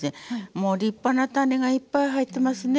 もう立派な種がいっぱい入ってますね。